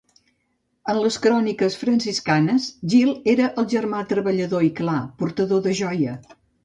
En les cròniques franciscanes, Gil era el germà treballador i clar, portador de joia.